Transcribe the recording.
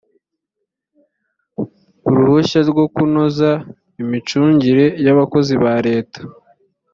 uruhushyarwo kunoza imicungire y abakozi ba leta